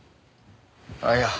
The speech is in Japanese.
あっいや